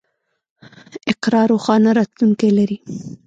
اقرا روښانه راتلونکی لري.